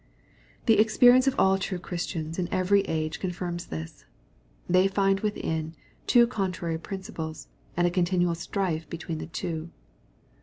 The ex perience of all true Christians in every age confirms this. They find within, two contrary principles, and a con tinual strife between the two.